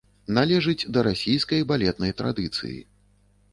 Належыць да расійскай балетнай традыцыі.